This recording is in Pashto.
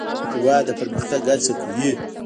هېواد د پرمختګ هڅه کوي.